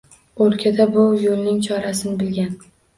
O’lkada bu yo’lning chorasin bilgan